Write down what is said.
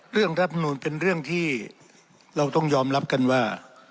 รัฐมนูลเป็นเรื่องที่เราต้องยอมรับกันว่า